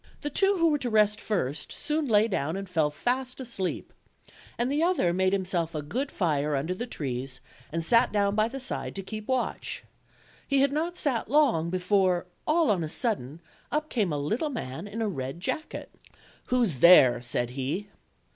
The two who were to rest first soon lay down and fell fast asleep, and the other made himself a good fire under the trees and sat down by the side to keep watch. He had not sat long before, all on a sudden, up came a little man in a red jacket. "Who's there?" said he.